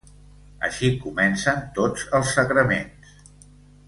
Així comencen tots els sagraments.